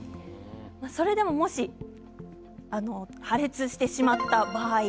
それでももし破裂してしまった場合